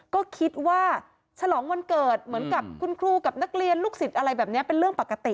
ก็คิดว่าฉลองวันเกิดเหมือนกับคุณครูกับนักเรียนลูกศิษย์อะไรแบบนี้เป็นเรื่องปกติ